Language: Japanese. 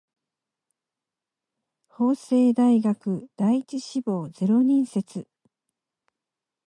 法政大学第一志望ゼロ人説